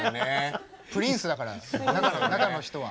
プリンスだから中の人は。